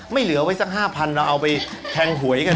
เหลือไว้สัก๕๐๐เราเอาไปแทงหวยกัน